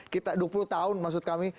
kita dua puluh tahun maksud kami